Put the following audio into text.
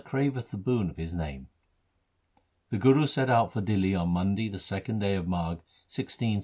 Nanak craveth the boon of His name. 1 The Guru set out for Dihli on Monday the second day of Magh 1669 (a.